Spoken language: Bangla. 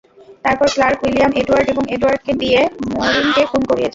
তারপর ক্লার্ক উইলিয়াম এডওয়ার্ড, এবং এডওয়ার্ড কে দিয়ে মরিনকে খুন করিয়েছেন।